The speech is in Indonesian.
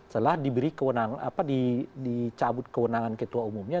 setelah dicabut kewenangan ketua umumnya